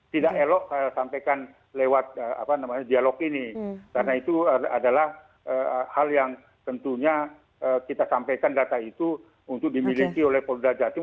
tidak elok sampaikan lewat dialog ini karena itu adalah hal yang tentunya kita sampaikan data itu untuk dimiliki oleh polda jatim